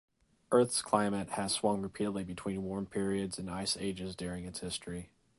Earth's climate has swung repeatedly between warm periods and ice ages during its history.